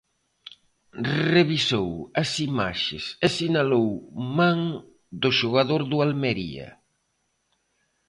Revisou as imaxes e sinalou man do xogador do Almería.